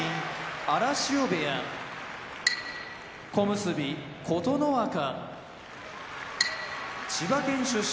荒汐部屋小結・琴ノ若千葉県出身佐渡ヶ嶽部屋